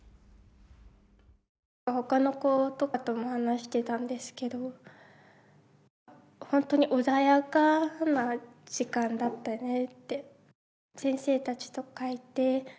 ほかの子とかとも話してたんですけど本当に穏やかな時間だったねって。